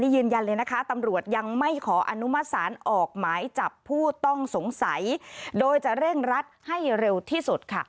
ยืนยันเลยนะคะตำรวจยังไม่ขออนุมัติศาลออกหมายจับผู้ต้องสงสัยโดยจะเร่งรัดให้เร็วที่สุดค่ะ